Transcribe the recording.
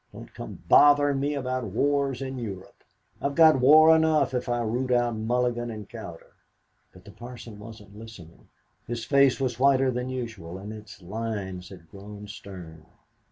Don't come bothering me about wars in Europe! I've got war enough if I root out Mulligan and Cowder." But the parson wasn't listening. His face was whiter than usual, and its lines had grown stern.